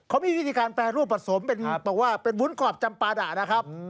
เขามีวิธีการแปรรูปผสมเป็นบอกว่าเป็นวุ้นกรอบจำปาดะนะครับ